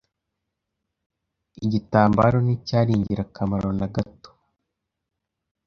Igitambaro nticyari ingirakamaro na gato.